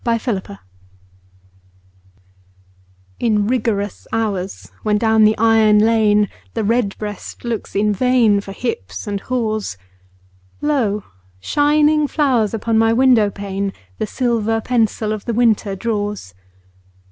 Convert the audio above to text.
XVII—WINTER In rigorous hours, when down the iron lane The redbreast looks in vain For hips and haws, Lo, shining flowers upon my window pane The silver pencil of the winter draws.